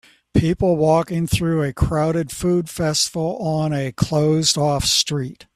People walking through a crowded food festival on a closed off street